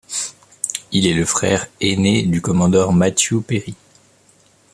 Il est le frère aîné du commodore Matthew Perry.